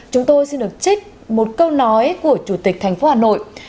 chúng tôi xin được trích một câu nói của chủ tịch thành phố hà nội